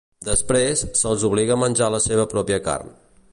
Després, se'ls obliga a menjar la seva pròpia carn.